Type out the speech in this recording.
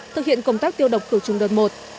thực hiện công tác tiêu độc khử trùng đợt một